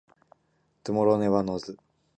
私は本を読むことが好きです。